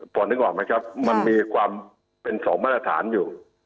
พอนึกออกไหมครับมันมีความเป็นสองมาตรฐานอยู่